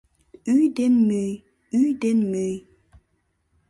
Ӱй ден мӱй, ӱй ден мӱй...